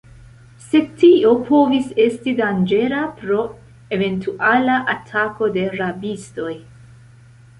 Sed tio povis esti danĝera pro eventuala atako de rabistoj.